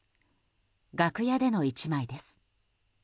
楽屋での１枚です。